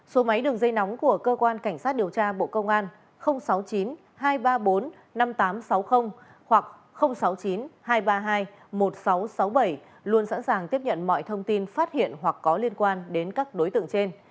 số máy đường dây nóng của cơ quan cảnh sát điều tra bộ công an sáu mươi chín hai trăm ba mươi bốn năm nghìn tám trăm sáu mươi hoặc sáu mươi chín hai trăm ba mươi hai một nghìn sáu trăm sáu mươi bảy luôn sẵn sàng tiếp nhận mọi thông tin phát hiện hoặc có liên quan đến các đối tượng trên